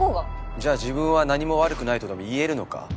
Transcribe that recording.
じゃあ自分は何も悪くないとでも言えるのか？